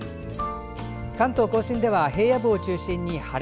関東・甲信では平野部を中心に晴れ。